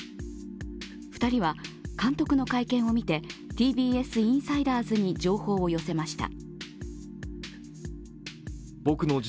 ２人は監督の会見を見て、ＴＢＳインサイダーズに情報を寄せました。